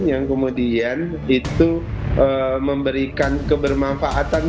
yang kemudian itu memberikan kebermanfaatan